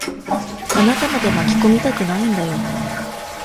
あなたまで巻き込みたくないんだよ。